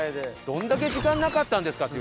どんだけ時間なかったんですか。